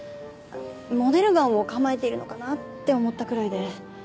モデルガンを構えているのかな？って思ったくらいで。